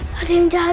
pak tata pasal pak